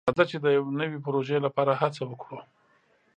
راځه چې د یو نوي پروژې لپاره هڅه وکړو.